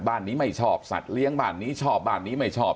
บ้านนี้ไม่ชอบสัตว์เลี้ยงบ้านนี้ชอบบ้านนี้ไม่ชอบ